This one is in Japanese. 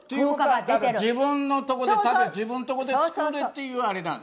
自分のとこで食べるのは自分とこで作るっていうあれだ？